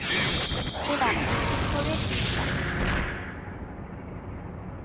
এরা একটি করে ডিম পাড়ে।